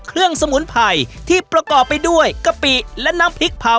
คือด้วยง่ายิดขึ้นมา